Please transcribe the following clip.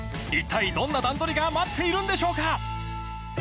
一体どんな段取りが待っているんでしょうか？